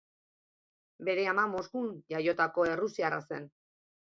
Bere ama Moskun jaiotako errusiarra zen.